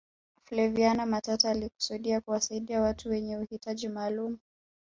flaviana matata alikusudia kuwasaidia watu wenye uhitaji maalum